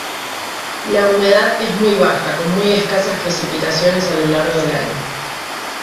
La humedad es muy baja, con muy escasas precipitaciones a lo largo del año.